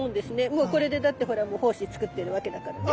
もうこれでだってほら胞子作ってるわけだからね。